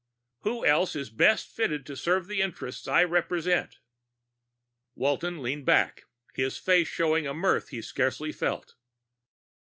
_" "Who else is best fitted to serve the interests I represent?" Walton leaned back, his face showing a mirth he scarcely felt.